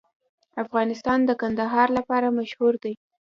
افغانستان د کندهار لپاره مشهور دی.